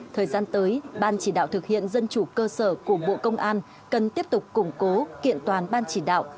thời gian tới ban chỉ đạo thực hiện dân chủ cơ sở của bộ công an cần tiếp tục củng cố kiện toàn ban chỉ đạo